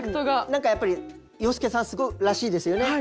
何かやっぱり洋輔さんらしいですよね。